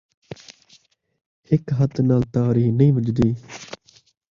ہک ہتھ نال تاڑی نئیں وڄدی